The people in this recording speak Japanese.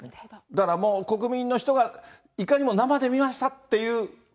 だからもう、国民の人がいかにも生で見ましたっていう。